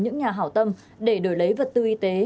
những nhà hảo tâm để đổi lấy vật tư y tế